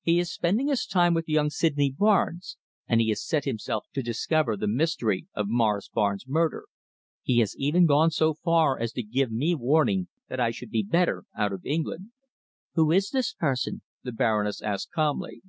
He is spending his time with young Sydney Barnes, and he has set himself to discover the mystery of Morris Barnes' murder. He has even gone so far as to give me warning that I should be better out of England." "Who is this person?" the Baroness asked calmly.